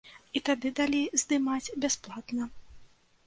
І тады далі здымаць бясплатна.